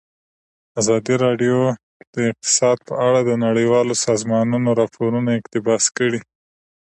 ازادي راډیو د اقتصاد په اړه د نړیوالو سازمانونو راپورونه اقتباس کړي.